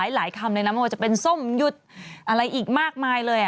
หลายคำเลยนะไม่ว่าจะเป็นส้มหยุดอะไรอีกมากมายเลย